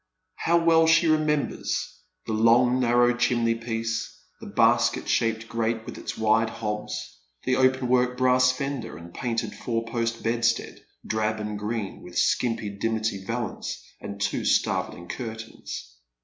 How well she remembers the long narrow chimney piece, the basket shaped grate with its wide hobs, the open work brass fender, the painted four post bedstead, drab and green, with skimpy dimity valance, and two starveling curtains.